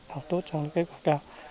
học tốt trong kết quả cao